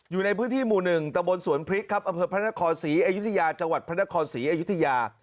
อยู่ในพื้นที่หมู่๑ตะบนสวนพริกครับอำเภอพระนครศรีอยุธยาจังหวัดพระนครศรีอยุธยา